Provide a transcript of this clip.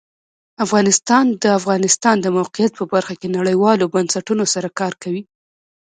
افغانستان د د افغانستان د موقعیت په برخه کې نړیوالو بنسټونو سره کار کوي.